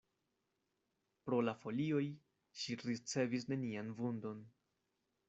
Pro la folioj ŝi ricevis nenian vundon.